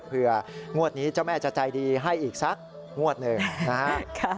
งวดนี้เจ้าแม่จะใจดีให้อีกสักงวดหนึ่งนะฮะ